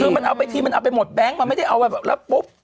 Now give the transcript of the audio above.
คือมันเอาไปทีมันเอาไปหมดแบงค์มันไม่ได้เอาไปแล้วปุ๊บ